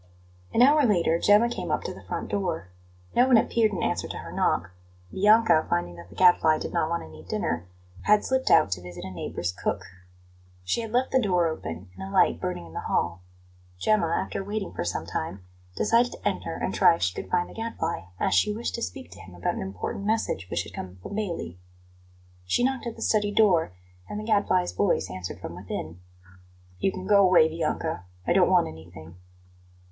An hour later Gemma came up to the front door. No one appeared in answer to her knock; Bianca, finding that the Gadfly did not want any dinner, had slipped out to visit a neighbour's cook. She had left the door open, and a light burning in the hall. Gemma, after waiting for some time, decided to enter and try if she could find the Gadfly, as she wished to speak to him about an important message which had come from Bailey. She knocked at the study door, and the Gadfly's voice answered from within: "You can go away, Bianca. I don't want anything."